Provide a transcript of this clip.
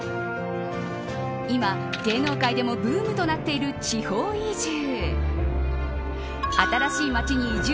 今、芸能界でもブームとなっている地方移住。